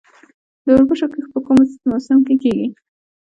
د وربشو کښت په کوم موسم کې کیږي؟